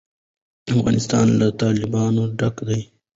افغانستان له تالابونه ډک دی.